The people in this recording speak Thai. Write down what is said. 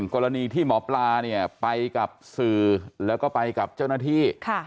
กรณีที่หมอปลาเนี่ยไปกับสื่อแล้วก็ไปกับเจ้าหน้าที่